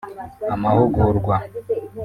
amahugurwa